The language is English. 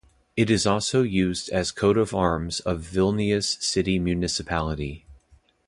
It is also used as coat of arms of Vilnius city municipality.